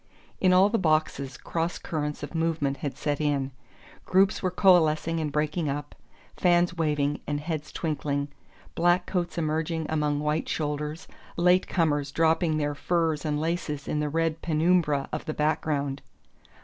In all the boxes cross currents of movement had set in: groups were coalescing and breaking up, fans waving and heads twinkling, black coats emerging among white shoulders, late comers dropping their furs and laces in the red penumbra of the background.